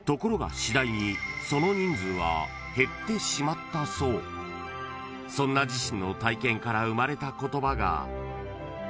［そんな自身の体験から生まれた言葉が］